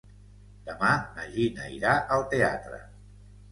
Demà na Gina irà al teatre.